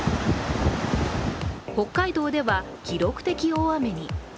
北海道では記録的大雨に。